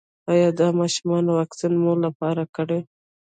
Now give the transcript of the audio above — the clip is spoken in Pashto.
ایا د ماشومانو واکسین مو پوره کړی؟